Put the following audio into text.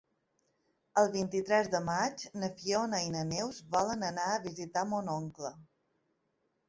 El vint-i-tres de maig na Fiona i na Neus volen anar a visitar mon oncle.